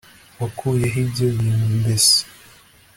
Wakuye he ibyo bintu mbese